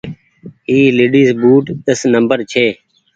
اي ليڊيز بوٽ ڏس نمبر ڇي۔